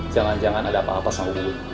jangan jangan ada apa apa sama bu bun